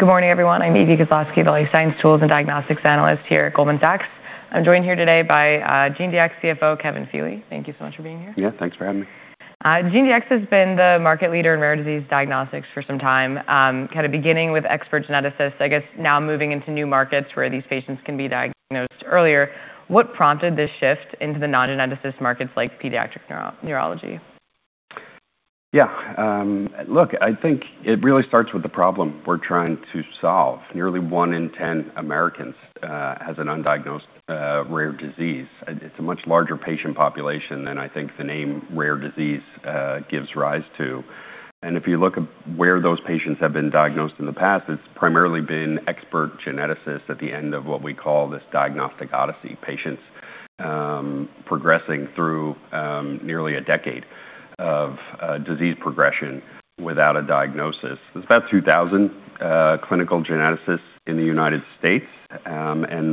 Good morning, everyone. I'm Evie Koslosky, Life Science Tools and Diagnostics Analyst here at Goldman Sachs. I'm joined here today by GeneDx CFO, Kevin Feeley. Thank you so much for being here. Yeah, thanks for having me. GeneDx has been the market leader in rare disease diagnostics for some time, kind of beginning with expert geneticists, I guess now moving into new markets where these patients can be diagnosed earlier. What prompted this shift into the non-geneticist markets like pediatric neurology? Yeah. Look, I think it really starts with the problem we're trying to solve. Nearly one in 10 Americans has an undiagnosed rare disease. It's a much larger patient population than I think the name rare disease gives rise to. If you look at where those patients have been diagnosed in the past, it's primarily been expert geneticists at the end of what we call this diagnostic odyssey. Patients progressing through nearly a decade of disease progression without a diagnosis. There's about 2,000 clinical geneticists in the U.S.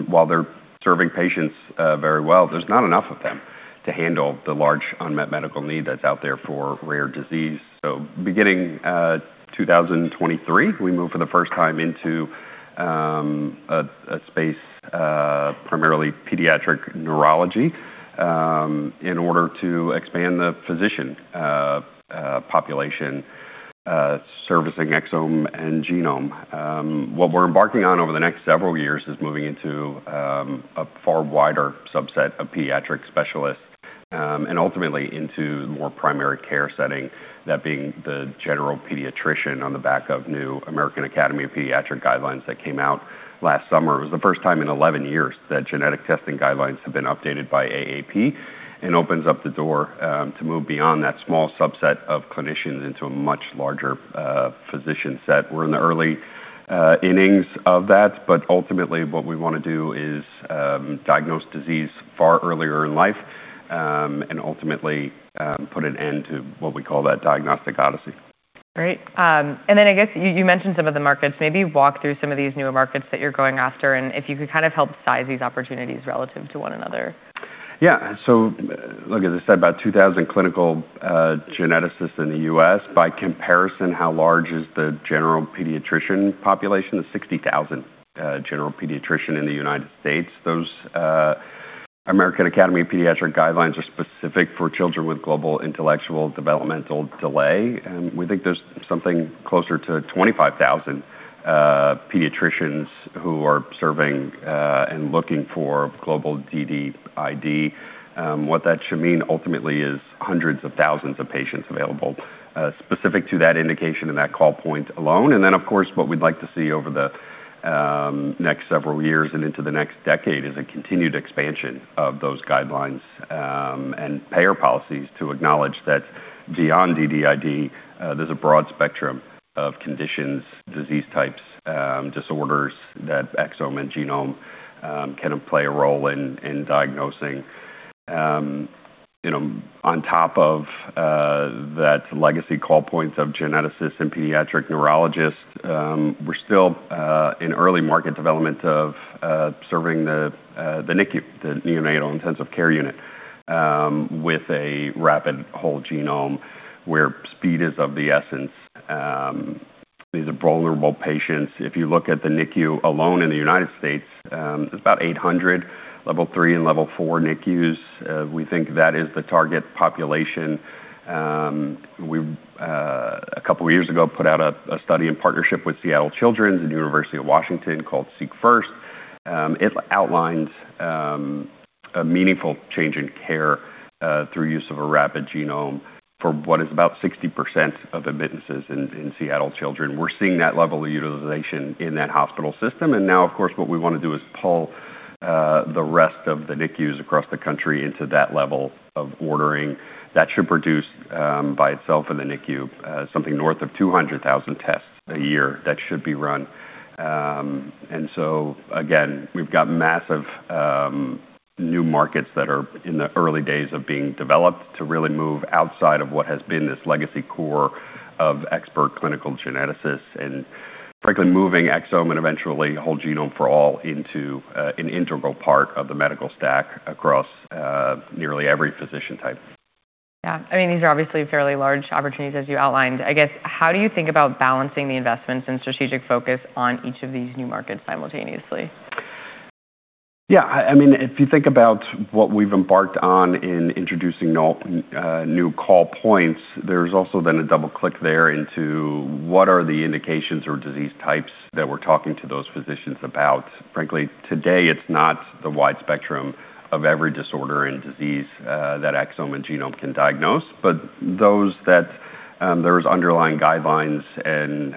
While they're serving patients very well, there's not enough of them to handle the large unmet medical need that's out there for rare disease. Beginning 2023, we move for the first time into a space, primarily pediatric neurology, in order to expand the physician population, servicing exome and genome. What we're embarking on over the next several years is moving into a far wider subset of pediatric specialists, and ultimately into more primary care setting, that being the general pediatrician on the back of new American Academy of Pediatrics guidelines that came out last summer. It was the first time in 11 years that genetic testing guidelines have been updated by AAP, and opens up the door to move beyond that small subset of clinicians into a much larger physician set. We're in the early innings of that, but ultimately what we want to do is diagnose disease far earlier in life, and ultimately, put an end to what we call that diagnostic odyssey. Great. Then I guess you mentioned some of the markets. Maybe walk through some of these newer markets that you're going after, and if you could kind of help size these opportunities relative to one another. Yeah. Look, as I said, about 2,000 clinical geneticists in the U.S. By comparison, how large is the general pediatrician population? There's 60,000 general pediatricians in the United States. Those American Academy of Pediatrics guidelines are specific for children with global intellectual developmental delay, and we think there's something closer to 25,000 pediatricians who are serving and looking for global DD ID. What that should mean ultimately is hundreds of thousands of patients available specific to that indication and that call point alone. Then, of course, what we'd like to see over the next several years and into the next decade is a continued expansion of those guidelines, and payer policies to acknowledge that beyond DD ID, there's a broad spectrum of conditions, disease types, disorders that exome and genome can play a role in diagnosing. On top of that legacy call points of geneticists and pediatric neurologists, we're still in early market development of serving the neonatal intensive care unit with a rapid Whole Genome where speed is of the essence. These are vulnerable patients. If you look at the NICU alone in the United States, there's about 800 level 3 and level 4 NICUs. We think that is the target population. We, a couple of years ago, put out a study in partnership with Seattle Children's and University of Washington called SeqFirst. It outlines a meaningful change in care through use of a rapid genome for what is about 60% of admittance in Seattle Children's. Now, of course, what we want to do is pull the rest of the NICUs across the country into that level of ordering. That should produce, by itself in the NICU, something north of 200,000 tests a year that should be run. Again, we've got massive new markets that are in the early days of being developed to really move outside of what has been this legacy core of expert clinical geneticists, and frankly, moving exome and eventually whole genome for all into an integral part of the medical stack across nearly every physician type. Yeah. These are obviously fairly large opportunities as you outlined. I guess, how do you think about balancing the investments and strategic focus on each of these new markets simultaneously? Yeah. If you think about what we've embarked on in introducing new call points, there's also been a double-click there into what are the indications or disease types that we're talking to those physicians about. Frankly, today, it's not the wide spectrum of every disorder and disease that exome and genome can diagnose, but those that there's underlying guidelines and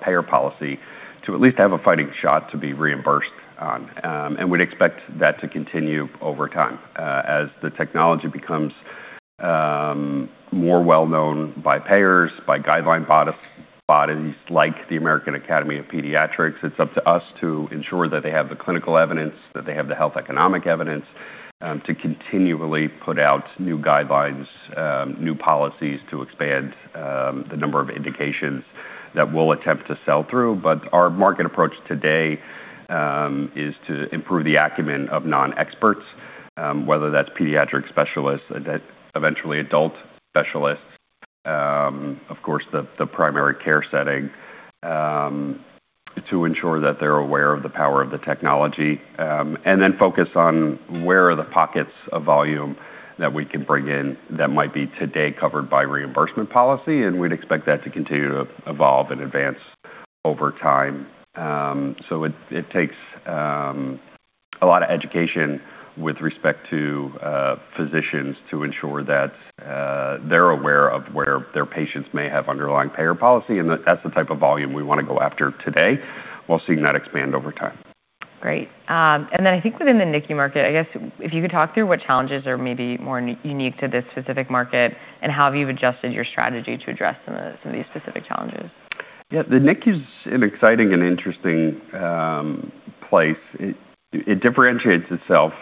payer policy to at least have a fighting shot to be reimbursed on, and we'd expect that to continue over time as the technology becomes more well-known by payers, by guideline bodies like the American Academy of Pediatrics. It's up to us to ensure that they have the clinical evidence, that they have the health economic evidence, to continually put out new guidelines, new policies to expand the number of indications that we'll attempt to sell through. Our market approach today is to improve the acumen of non-experts, whether that's pediatric specialists, eventually adult specialists. Of course, the primary care setting, to ensure that they're aware of the power of the technology, then focus on where are the pockets of volume that we can bring in that might be today covered by reimbursement policy, and we'd expect that to continue to evolve and advance over time. It takes a lot of education with respect to physicians to ensure that they're aware of where their patients may have underlying payer policy, and that's the type of volume we want to go after today, while seeing that expand over time. Great. I think within the NICU market, I guess if you could talk through what challenges are maybe more unique to this specific market, how have you adjusted your strategy to address some of these specific challenges? Yeah. The NICU is an exciting and interesting place. It differentiates itself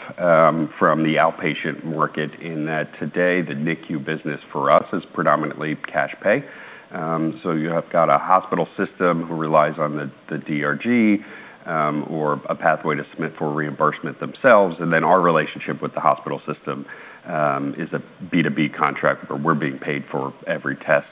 from the outpatient market in that today the NICU business for us is predominantly cash pay. You have got a hospital system who relies on the DRG, or a pathway to submit for reimbursement themselves, our relationship with the hospital system is a B2B contract, where we're being paid for every test.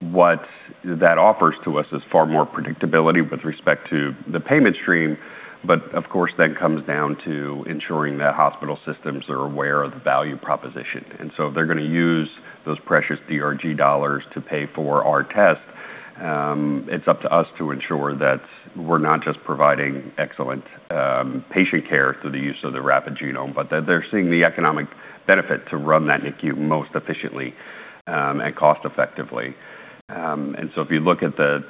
What that offers to us is far more predictability with respect to the payment stream, but of course, then comes down to ensuring that hospital systems are aware of the value proposition. If they're going to use those precious DRG dollars to pay for our test, it's up to us to ensure that we're not just providing excellent patient care through the use of the rapid genome, but that they're seeing the economic benefit to run that NICU most efficiently and cost effectively. If you look at the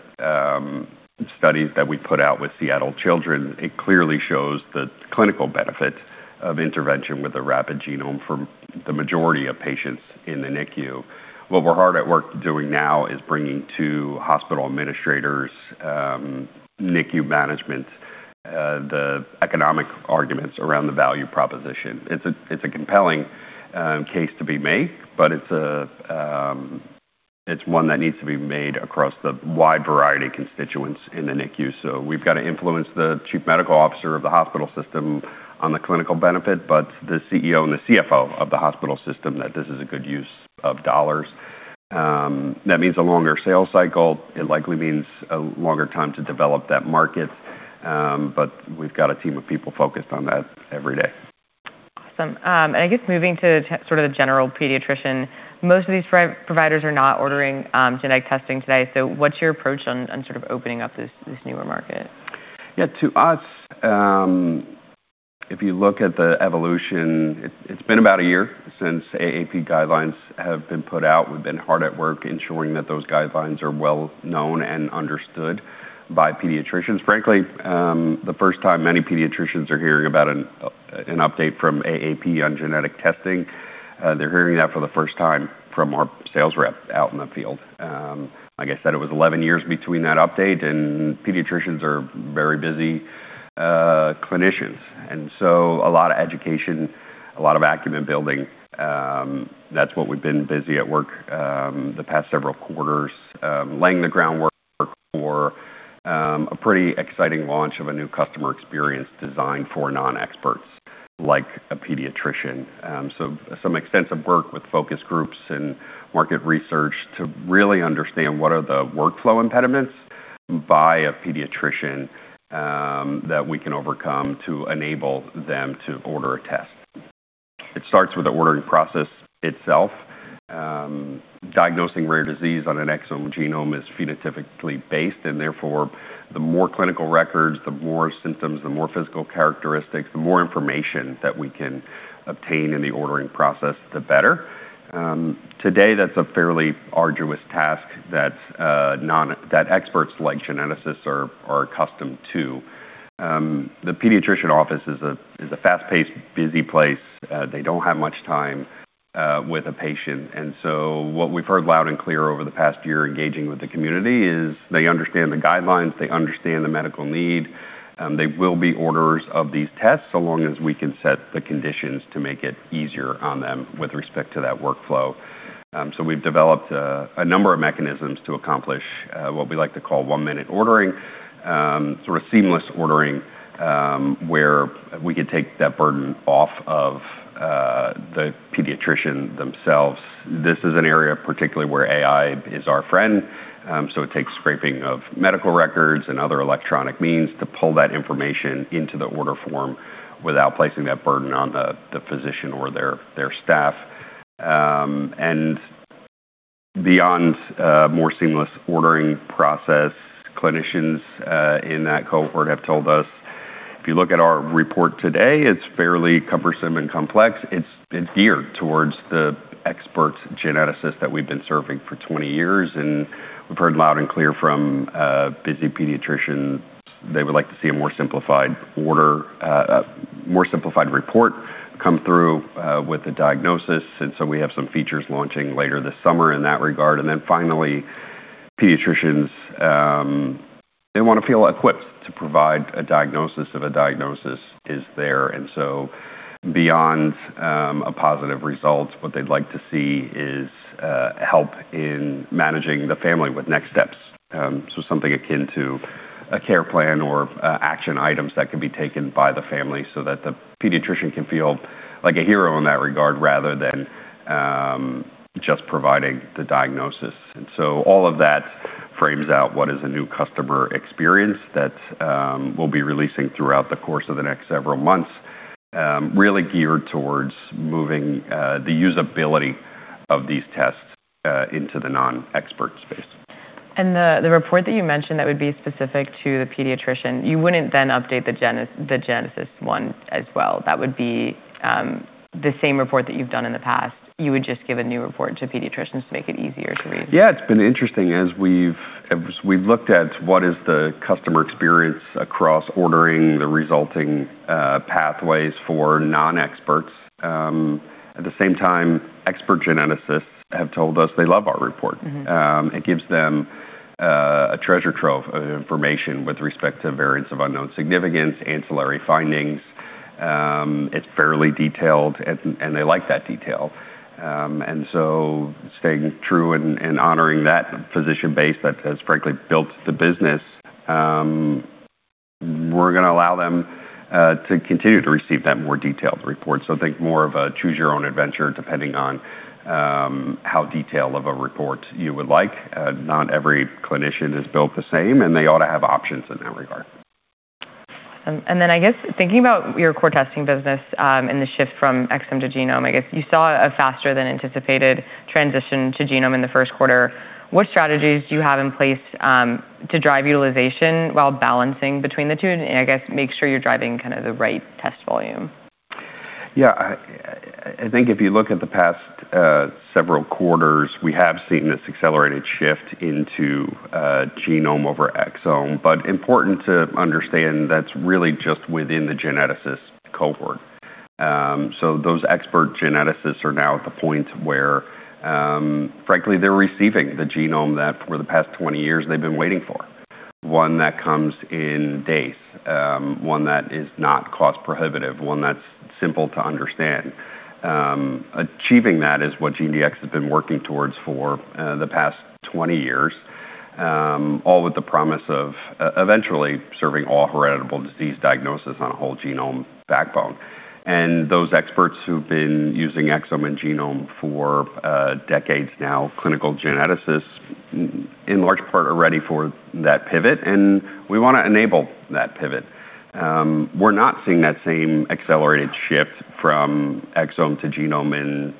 studies that we put out with Seattle Children's, it clearly shows the clinical benefit of intervention with the rapid genome for the majority of patients in the NICU. What we're hard at work doing now is bringing to hospital administrators, NICU management, the economic arguments around the value proposition. It's a compelling case to be made, but it's one that needs to be made across the wide variety of constituents in the NICU. We've got to influence the Chief Medical Officer of the hospital system on the clinical benefit, but the CEO and the CFO of the hospital system that this is a good use of dollars. That means a longer sales cycle. It likely means a longer time to develop that market. We've got a team of people focused on that every day. Awesome. I guess moving to sort of the general pediatrician, most of these providers are not ordering genetic testing today. What's your approach on sort of opening up this newer market? Yeah. To us, if you look at the evolution, it's been about a year since AAP guidelines have been put out. We've been hard at work ensuring that those guidelines are well known and understood by pediatricians. Frankly, the first time many pediatricians are hearing about an update from AAP on genetic testing, they're hearing that for the first time from our sales rep out in the field. Like I said, it was 11 years between that update, pediatricians are very busy clinicians, a lot of education, a lot of acumen building. That's what we've been busy at work the past several quarters, laying the groundwork for a pretty exciting launch of a new customer experience designed for non-experts, like a pediatrician. Some extensive work with focus groups and market research to really understand what are the workflow impediments by a pediatrician, that we can overcome to enable them to order a test. It starts with the ordering process itself. Diagnosing rare disease on an exome genome is phenotypically based, therefore, the more clinical records, the more symptoms, the more physical characteristics, the more information that we can obtain in the ordering process, the better. Today, that's a fairly arduous task that experts like geneticists are accustomed to. The pediatrician office is a fast-paced, busy place. They don't have much time with a patient. What we've heard loud and clear over the past year engaging with the community is they understand the guidelines, they understand the medical need, they will be orders of these tests, so long as we can set the conditions to make it easier on them with respect to that workflow. We've developed a number of mechanisms to accomplish what we like to call one-minute ordering, sort of seamless ordering, where we could take that burden off of the pediatrician themselves. This is an area particularly where AI is our friend. It takes scraping of medical records and other electronic means to pull that information into the order form without placing that burden on the physician or their staff. Beyond a more seamless ordering process, clinicians in that cohort have told us, "If you look at our report today, it's fairly cumbersome and complex." It's geared towards the expert geneticist that we've been serving for 20 years, and we've heard loud and clear from busy pediatricians, they would like to see a more simplified report come through with the diagnosis. We have some features launching later this summer in that regard. Finally, pediatricians, they want to feel equipped to provide a diagnosis if a diagnosis is there. Beyond a positive result, what they'd like to see is help in managing the family with next steps. Something akin to a care plan or action items that can be taken by the family so that the pediatrician can feel like a hero in that regard, rather than just providing the diagnosis. All of that frames out what is a new customer experience that we'll be releasing throughout the course of the next several months, really geared towards moving the usability of these tests into the non-expert space. The report that you mentioned that would be specific to the pediatrician, you wouldn't then update the geneticist one as well. That would be the same report that you've done in the past. You would just give a new report to pediatricians to make it easier to read. It's been interesting as we've looked at what is the customer experience across ordering the resulting pathways for non-experts. At the same time, expert geneticists have told us they love our report. It gives them a treasure trove of information with respect to variants of unknown significance, ancillary findings. It's fairly detailed, and they like that detail. Staying true and honoring that physician base that has frankly built the business, we're going to allow them to continue to receive that more detailed report. Think more of a choose your own adventure, depending on how detailed of a report you would like. Not every clinician is built the same, and they ought to have options in that regard. Then, I guess, thinking about your core testing business and the shift from exome to genome, I guess you saw a faster than anticipated transition to genome in the first quarter. What strategies do you have in place to drive utilization while balancing between the two and, I guess, make sure you're driving the right test volume? Yeah. I think if you look at the past several quarters, we have seen this accelerated shift into genome over exome, important to understand that's really just within the geneticist cohort. Those expert geneticists are now at the point where, frankly, they're receiving the genome that for the past 20 years they've been waiting for, one that comes in days, one that is not cost-prohibitive, one that's simple to understand. Achieving that is what GeneDx has been working towards for the past 20 years, all with the promise of eventually serving all heritable disease diagnosis on a whole genome backbone. Those experts who've been using exome and genome for decades now, clinical geneticists, in large part, are ready for that pivot, and we want to enable that pivot. We're not seeing that same accelerated shift from exome to genome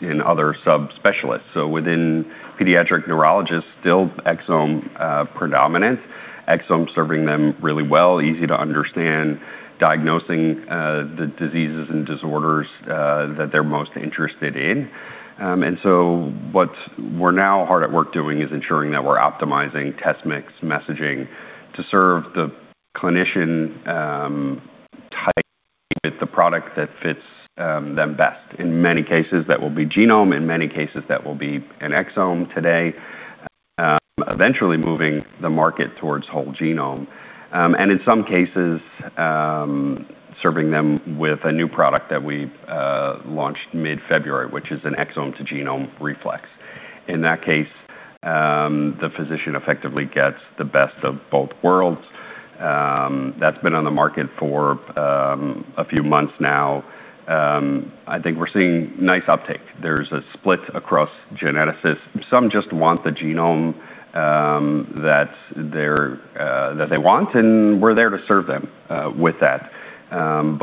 in other sub-specialists. Within pediatric neurologists, still exome predominant, exome serving them really well, easy to understand, diagnosing the diseases and disorders that they're most interested in. What we're now hard at work doing is ensuring that we're optimizing test mix messaging to serve the clinician type with the product that fits them best. In many cases, that will be genome. In many cases, that will be an exome today, eventually moving the market towards whole genome. In some cases, serving them with a new product that we launched mid-February, which is an Exome-to-Genome Reflex. In that case, the physician effectively gets the best of both worlds. That's been on the market for a few months now. I think we're seeing nice uptake. There's a split across geneticists. Some just want the genome that they want, and we're there to serve them with that.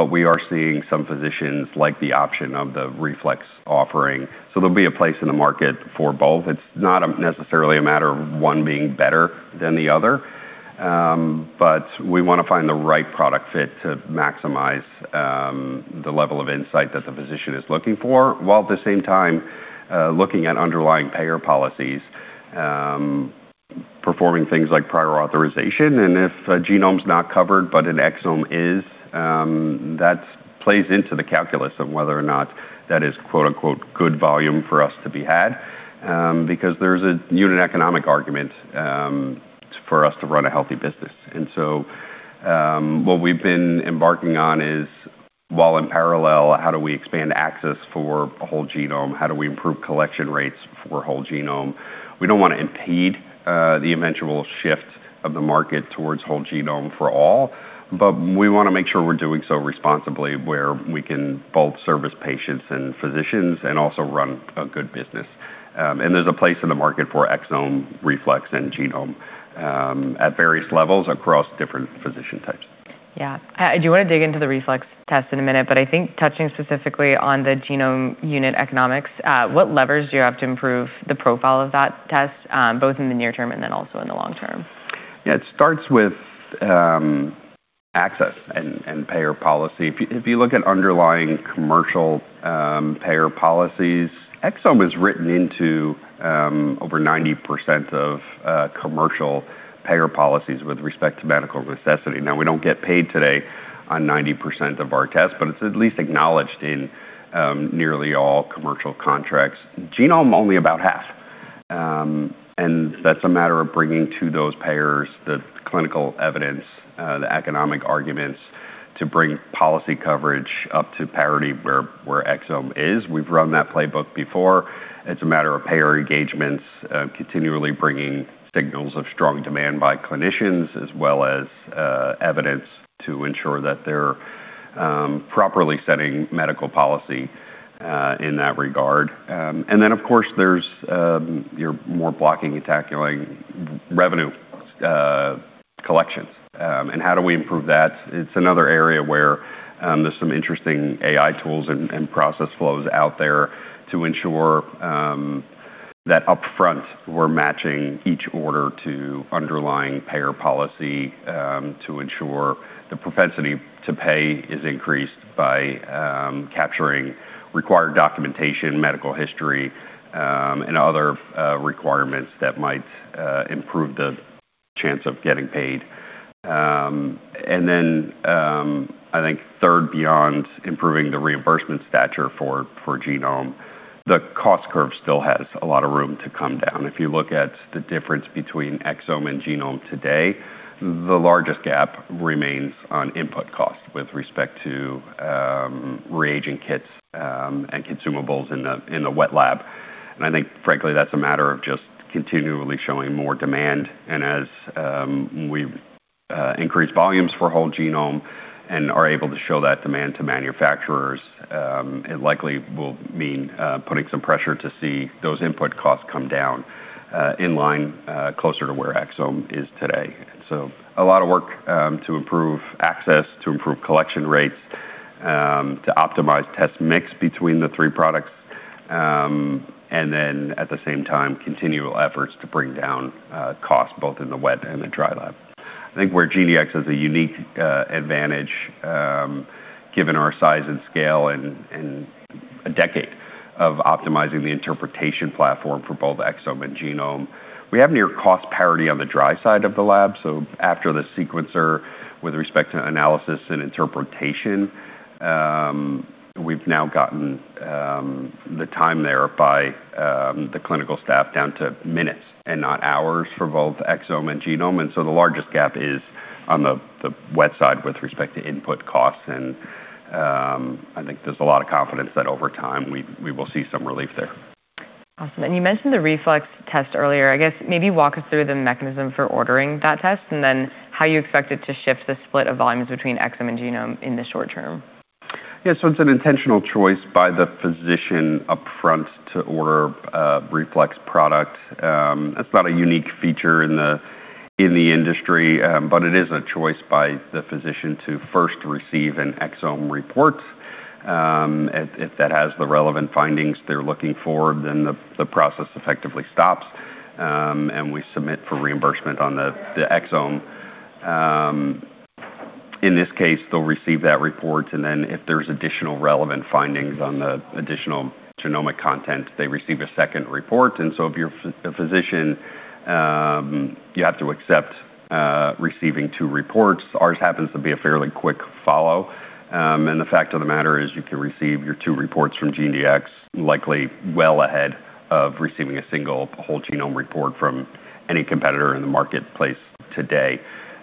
We are seeing some physicians like the option of the reflex offering. There'll be a place in the market for both. It's not necessarily a matter of one being better than the other, we want to find the right product fit to maximize the level of insight that the physician is looking for, while at the same time, looking at underlying payer policies, performing things like prior authorization. If a genome's not covered, but an exome is, that plays into the calculus of whether or not that is quote unquote "good volume" for us to be had, because there's a unit economic argument for us to run a healthy business. What we've been embarking on is, while in parallel, how do we expand access for a whole genome? How do we improve collection rates for a whole genome? We don't want to impede the eventual shift of the market towards whole genome for all, we want to make sure we're doing so responsibly where we can both service patients and physicians and also run a good business. There's a place in the market for exome reflex and genome at various levels across different physician types. Yeah. I do want to dig into the reflex test in a minute, I think touching specifically on the genome unit economics, what levers do you have to improve the profile of that test both in the near term and then also in the long term? Yeah. It starts with access and payer policy. If you look at underlying commercial payer policies, exome is written into over 90% of commercial payer policies with respect to medical necessity. Now, we don't get paid today on 90% of our tests, it's at least acknowledged in nearly all commercial contracts. Genome, only about half. That's a matter of bringing to those payers the clinical evidence, the economic arguments to bring policy coverage up to parity where exome is. We've run that playbook before. It's a matter of payer engagements, continually bringing signals of strong demand by clinicians, as well as evidence to ensure that they're properly setting medical policy in that regard. Then, of course, there's your more blocking and tackling revenue collections, and how do we improve that? It's another area where there's some interesting AI tools and process flows out there to ensure that upfront we're matching each order to underlying payer policy, to ensure the propensity to pay is increased by capturing required documentation, medical history, and other requirements that might improve the chance of getting paid. I think third, beyond improving the reimbursement stature for genome, the cost curve still has a lot of room to come down. If you look at the difference between exome and genome today, the largest gap remains on input cost with respect to reagent kits and consumables in the wet lab. I think frankly, that's a matter of just continually showing more demand. As we increase volumes for whole genome and are able to show that demand to manufacturers, it likely will mean putting some pressure to see those input costs come down in line closer to where exome is today. A lot of work to improve access, to improve collection rates, to optimize test mix between the three products, and then at the same time, continual efforts to bring down cost both in the wet and the dry lab. I think where GeneDx has a unique advantage given our size and scale and a decade of optimizing the interpretation platform for both exome and genome, we have near cost parity on the dry side of the lab. After the sequencer, with respect to analysis and interpretation, we've now gotten the time there by the clinical staff down to minutes and not hours for both exome and genome. The largest gap is on the wet side with respect to input costs, and I think there's a lot of confidence that over time, we will see some relief there. Awesome. You mentioned the reflex test earlier. I guess maybe walk us through the mechanism for ordering that test, and then how you expect it to shift the split of volumes between exome and genome in the short term. Yeah. It's an intentional choice by the physician upfront to order a reflex product. It's not a unique feature in the industry, but it is a choice by the physician to first receive an exome report. If that has the relevant findings they're looking for, the process effectively stops, and we submit for reimbursement on the exome. In this case, they'll receive that report, and if there's additional relevant findings on the additional genomic content, they receive a second report. If you're a physician, you have to accept receiving two reports. Ours happens to be a fairly quick follow. The fact of the matter is, you can receive your two reports from GeneDx likely well ahead of receiving a single whole genome report from any competitor in the marketplace today.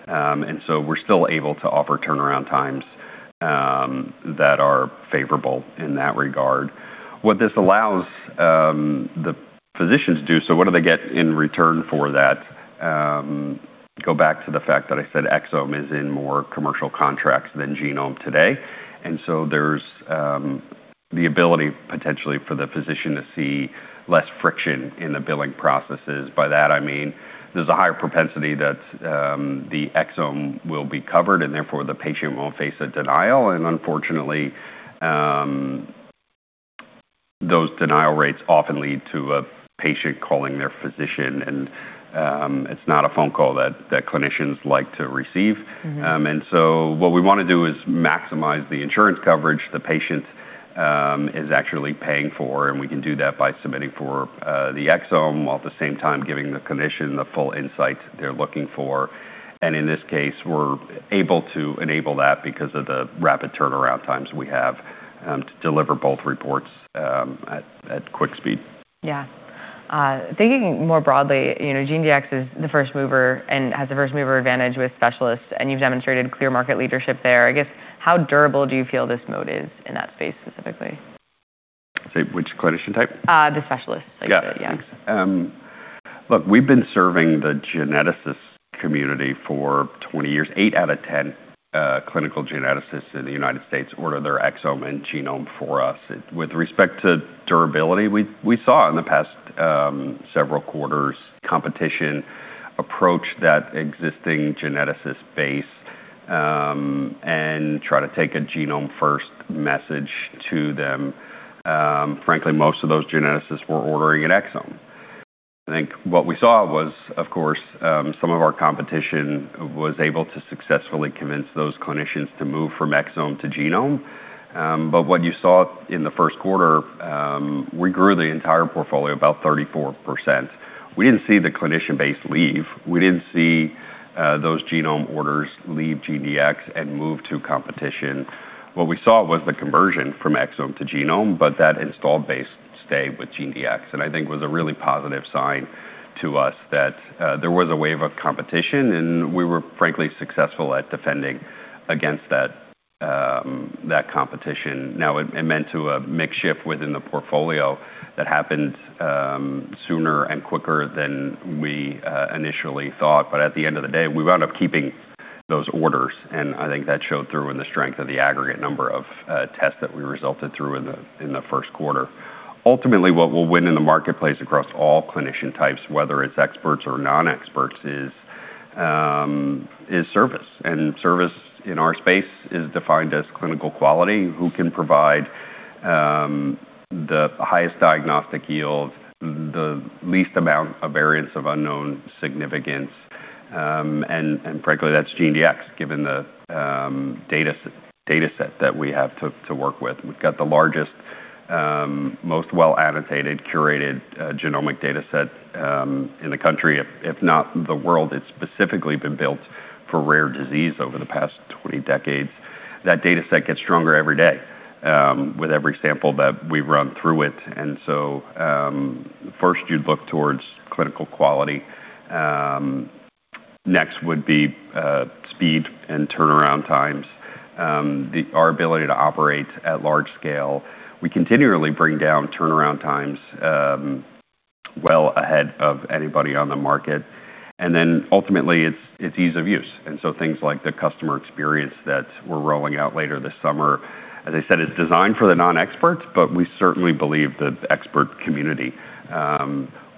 We're still able to offer turnaround times that are favorable in that regard. What this allows the physicians to do. What do they get in return for that? Go back to the fact that I said exome is in more commercial contracts than genome today. There's the ability, potentially, for the physician to see less friction in the billing processes. By that, I mean there's a higher propensity that the exome will be covered, and therefore, the patient won't face a denial. Unfortunately, those denial rates often lead to a patient calling their physician, and it's not a phone call that clinicians like to receive. What we want to do is maximize the insurance coverage the patient is actually paying for, and we can do that by submitting for the exome, while at the same time giving the clinician the full insight they're looking for. In this case, we're able to enable that because of the rapid turnaround times we have to deliver both reports at quick speed. Yeah. Thinking more broadly, GeneDx is the first mover and has the first-mover advantage with specialists, and you've demonstrated clear market leadership there. I guess, how durable do you feel this mode is in that space specifically? Say which clinician type? The specialists. Yeah. Thanks. Look, we've been serving the geneticist community for 20 years. Eight out of 10 clinical geneticists in the U.S. order their exome and genome for us. With respect to durability, we saw in the past several quarters, competition approach that existing geneticist base and try to take a genome-first message to them. Frankly, most of those geneticists were ordering an exome. I think what we saw was, of course, some of our competition was able to successfully convince those clinicians to move from exome to genome. What you saw in the first quarter, we grew the entire portfolio about 34%. We didn't see the clinician base leave. We didn't see those genome orders leave GeneDx and move to competition. What we saw was the conversion from exome to genome, that installed base stayed with GeneDx, and I think was a really positive sign to us that there was a wave of competition, and we were frankly successful at defending against that competition. It meant to a mix shift within the portfolio that happened sooner and quicker than we initially thought. At the end of the day, we wound up keeping those orders, and I think that showed through in the strength of the aggregate number of tests that we resulted through in the first quarter. Ultimately, what we'll win in the marketplace across all clinician types, whether it's experts or non-experts, is service. Service in our space is defined as clinical quality, who can provide the highest diagnostic yield, the least amount of variants of unknown significance, and frankly, that's GeneDx, given the data set that we have to work with. We've got the largest, most well-annotated, curated genomic data set in the country, if not the world. It's specifically been built for rare disease over the past 20 decades. That data set gets stronger every day with every sample that we run through it. First you'd look towards clinical quality. Next would be speed and turnaround times, our ability to operate at large scale. We continually bring down turnaround times, well ahead of anybody on the market. Ultimately, it's ease of use, and so things like the customer experience that we're rolling out later this summer, as I said, is designed for the non-experts, but we certainly believe the expert community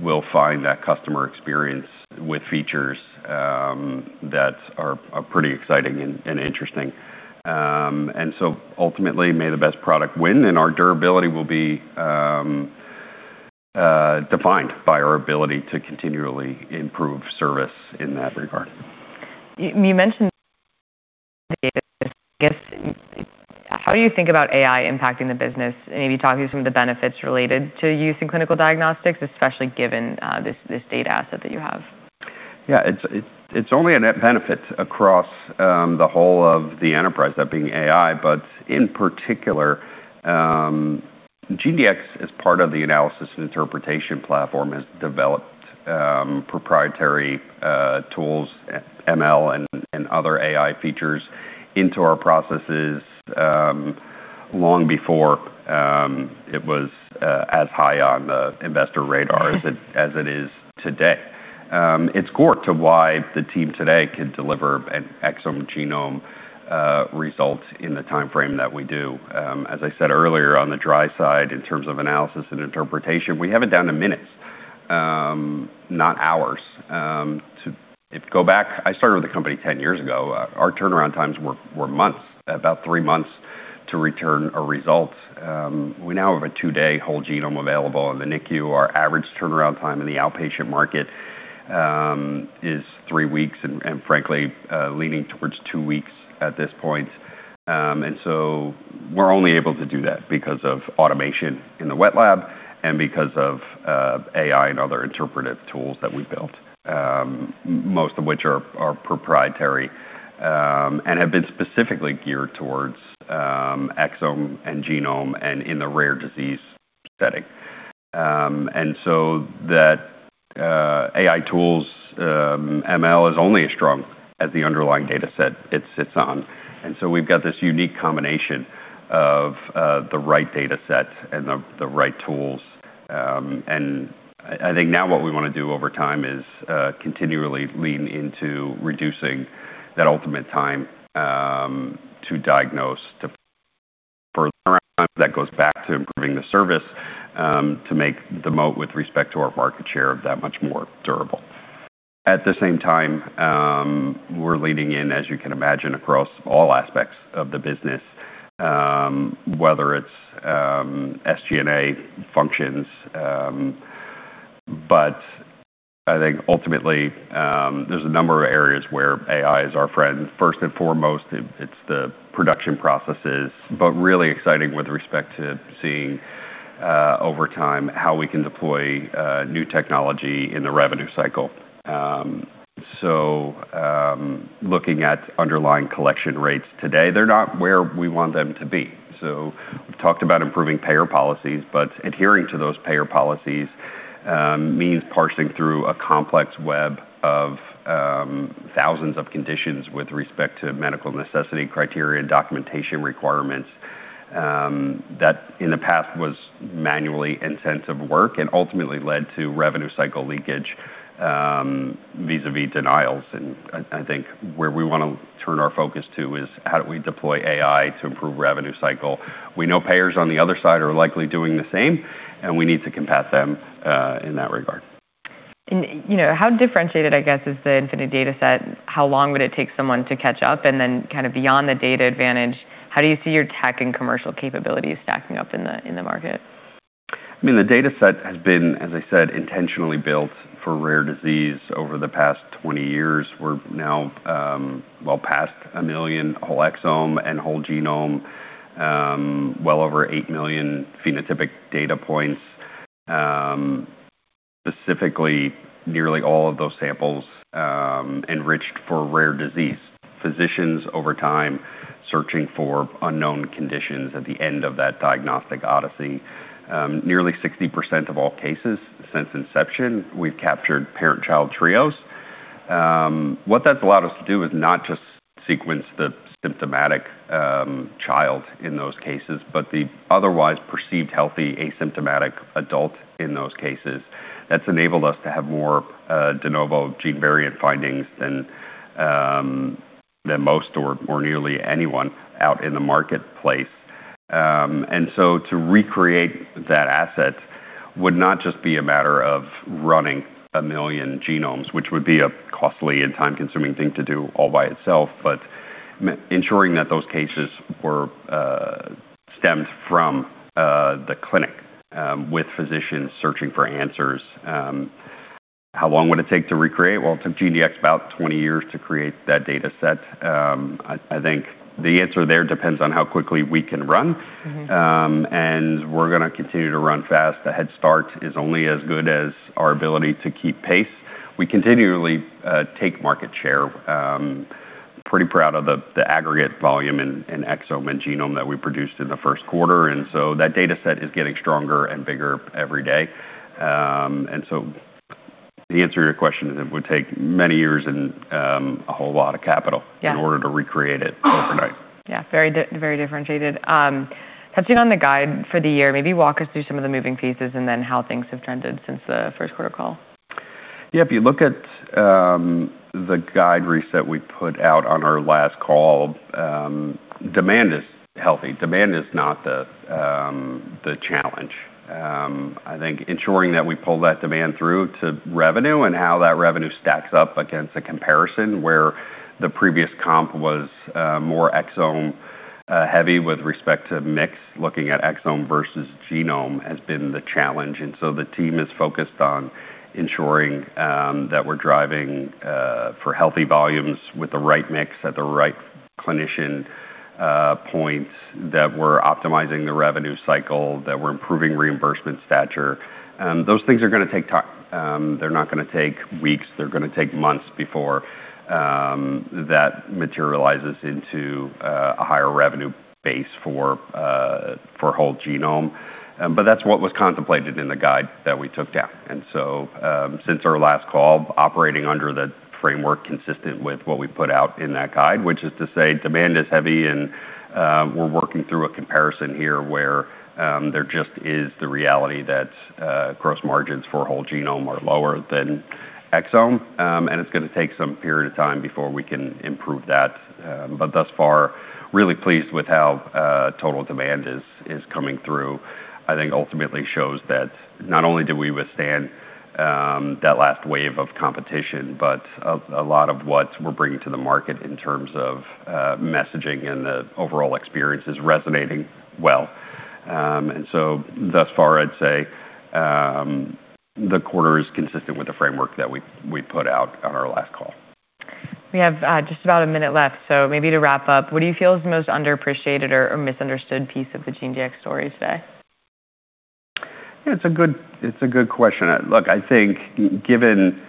will find that customer experience with features that are pretty exciting and interesting. Ultimately, may the best product win, and our durability will be defined by our ability to continually improve service in that regard. You mentioned data. How do you think about AI impacting the business? Maybe talk through some of the benefits related to use in clinical diagnostics, especially given this data asset that you have. Yeah. It's only a net benefit across the whole of the enterprise, that being AI. In particular, GeneDx is part of the analysis and interpretation platform, has developed proprietary tools, ML, and other AI features into our processes, long before it was as high on the investor radar. Right. As it is today. It's core to why the team today can deliver an exome genome result in the timeframe that we do. As I said earlier, on the dry side, in terms of analysis and interpretation, we have it down to minutes, not hours. To go back, I started with the company 10 years ago. Our turnaround times were months, about three months to return a result. We now have a two-day whole genome available in the NICU. Our average turnaround time in the outpatient market is three weeks, frankly, leaning towards two weeks at this point. We're only able to do that because of automation in the wet lab and because of AI and other interpretive tools that we've built, most of which are proprietary, and have been specifically geared towards exome and genome and in the rare disease setting. That AI tools, ML is only as strong as the underlying data set it sits on. We've got this unique combination of the right data set and the right tools. I think now what we want to do over time is continually lean into reducing that ultimate time to diagnose to further around times. That goes back to improving the service, to make the moat with respect to our market share of that much more durable. At the same time, we're leaning in, as you can imagine, across all aspects of the business, whether it's SG&A functions. I think ultimately, there's a number of areas where AI is our friend. First and foremost, it's the production processes, really exciting with respect to seeing, over time, how we can deploy new technology in the revenue cycle. Looking at underlying collection rates today, they're not where we want them to be. We've talked about improving payer policies, but adhering to those payer policies means parsing through a complex web of thousands of conditions with respect to medical necessity criteria and documentation requirements. That, in the past, was manually intensive work and ultimately led to revenue cycle leakage, vis-à-vis denials. I think where we want to turn our focus to is how do we deploy AI to improve revenue cycle. We know payers on the other side are likely doing the same, we need to combat them in that regard. How differentiated, I guess is the infinite data set? How long would it take someone to catch up? Then kind of beyond the data advantage, how do you see your tech and commercial capabilities stacking up in the market? The data set has been, as I said, intentionally built for rare disease over the past 20 years. We're now well past 1 million whole exome and whole genome, well over 8 million phenotypic data points. Specifically, nearly all of those samples enriched for rare disease. Physicians over time searching for unknown conditions at the end of that diagnostic odyssey. Nearly 60% of all cases since inception, we've captured parent-child trios. What that's allowed us to do is not just sequence the symptomatic child in those cases, but the otherwise perceived healthy, asymptomatic adult in those cases. That's enabled us to have more de novo gene variant findings than most or nearly anyone out in the marketplace. To recreate that asset would not just be a matter of running 1 million genomes, which would be a costly and time-consuming thing to do all by itself, but ensuring that those cases stemmed from the clinic with physicians searching for answers. How long would it take to recreate? Well, it took GeneDx about 20 years to create that data set. I think the answer there depends on how quickly we can run. We're going to continue to run fast. A head start is only as good as our ability to keep pace. We continually take market share. Pretty proud of the aggregate volume in exome and genome that we produced in the first quarter, that data set is getting stronger and bigger every day. The answer to your question is it would take many years and a whole lot of capital in order to recreate it overnight. Very differentiated. Touching on the guide for the year, maybe walk us through some of the moving pieces and then how things have trended since the first quarter call. If you look at the guide, recently we put out on our last call, demand is healthy. Demand is not the challenge. I think ensuring that we pull that demand through to revenue and how that revenue stacks up against a comparison where the previous comp was more exome-heavy with respect to mix, looking at exome versus genome has been the challenge. The team is focused on ensuring that we're driving for healthy volumes with the right mix at the right clinician points, that we're optimizing the revenue cycle, that we're improving reimbursement stature. Those things are going to take time. They're not going to take weeks. They're going to take months before that materializes into a higher revenue base for whole genome. That's what was contemplated in the guide that we took down. Since our last call, operating under the framework consistent with what we put out in that guide, which is to say demand is heavy and we're working through a comparison here where there just is the reality that gross margins for whole genome are lower than exome, and it's going to take some period of time before we can improve that. Thus far, really pleased with how total demand is coming through. I think ultimately shows that not only did we withstand that last wave of competition, but a lot of what we're bringing to the market in terms of messaging and the overall experience is resonating well. Thus far, I'd say the quarter is consistent with the framework that we put out on our last call. We have just about a minute left, maybe to wrap up, what do you feel is the most underappreciated or misunderstood piece of the GeneDx story today? Yeah, it's a good question. Look, I think given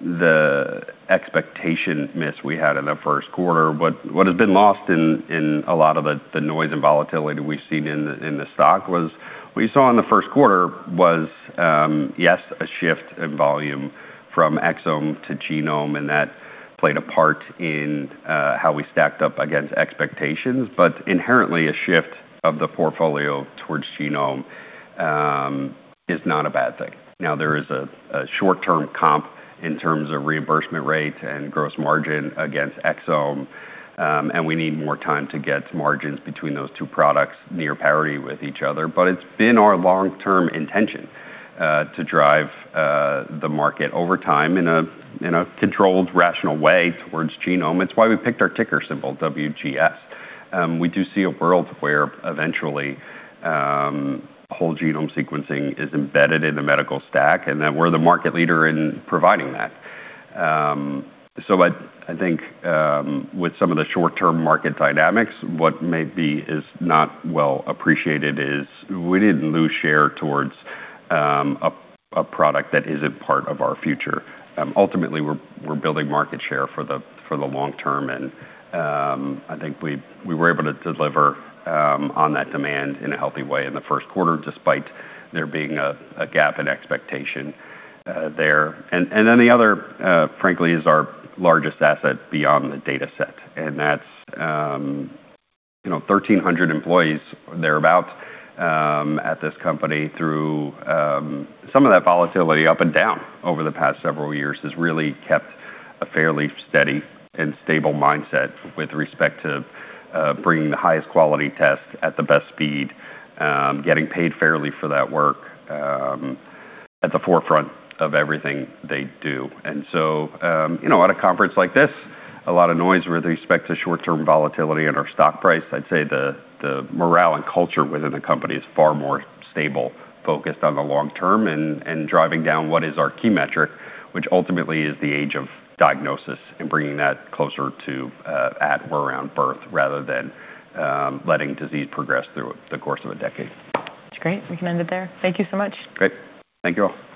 the expectation miss we had in the first quarter, what has been lost in a lot of the noise and volatility we've seen in the stock was what you saw in the first quarter was, yes, a shift in volume from exome to genome, and that played a part in how we stacked up against expectations. Inherently, a shift of the portfolio towards genome is not a bad thing. Now, there is a short-term comp in terms of reimbursement rate and gross margin against exome, and we need more time to get margins between those two products near parity with each other. It's been our long-term intention to drive the market over time in a controlled, rational way towards genome. It's why we picked our ticker symbol, WGS. We do see a world where eventually whole-genome sequencing is embedded in the medical stack, and that we're the market leader in providing that. I think with some of the short-term market dynamics, what maybe is not well appreciated is we didn't lose share towards a product that isn't part of our future. Ultimately, we're building market share for the long term, and I think we were able to deliver on that demand in a healthy way in the first quarter, despite there being a gap in expectation there. The other, frankly, is our largest asset beyond the data set, and that's 1,300 employees, thereabout, at this company through some of that volatility up and down over the past several years, has really kept a fairly steady and stable mindset with respect to bringing the highest quality tests at the best speed, getting paid fairly for that work at the forefront of everything they do. At a conference like this, a lot of noise with respect to short-term volatility in our stock price. I'd say the morale and culture within the company is far more stable, focused on the long term and driving down what is our key metric, which ultimately is the age of diagnosis and bringing that closer to at or around birth rather than letting disease progress through the course of a decade. That's great. We can end it there. Thank you so much. Great. Thank you all.